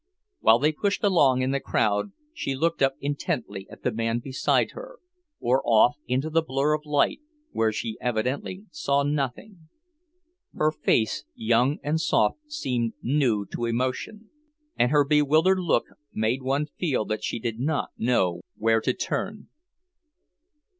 While they pushed along in the crowd she looked up intently at the man beside her, or off into the blur of light, where she evidently saw nothing. Her face, young and soft, seemed new to emotion, and her bewildered look made one feel that she did not know where to turn.